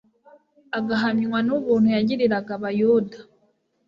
agahamywa n'ubuntu yagiriraga abayuda,